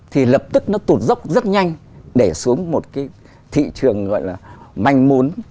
thì lập tức nó tụt dốc rất nhanh để xuống một cái thị trường gọi là manh muốn